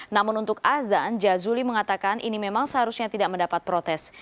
namun untuk azan jazuli mengatakan ini memang seharusnya tidak mendapat protes